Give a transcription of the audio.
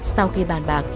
sau khi bàn bạc